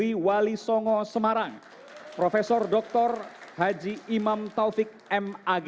prof dr haji wali songo semarang prof dr haji imam taufik mag